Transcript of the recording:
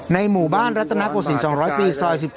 หมู่บ้านรัฐนาโกศิลป๒๐๐ปีซอย๑๗